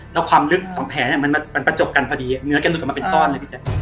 แล้วความลึก๒แผลมันประจบกันพอดีเนื้อแกหลุดออกมาเป็นก้อนเลยพี่แจ๊ค